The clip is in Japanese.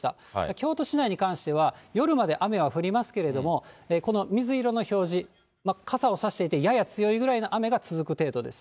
京都市内に関しては、夜まで雨は降りますけれども、この水色の表示、傘を差していて、やや強いぐらいの雨が続く程度です。